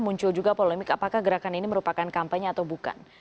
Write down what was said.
muncul juga polemik apakah gerakan ini merupakan kampanye atau bukan